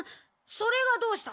それがどうした。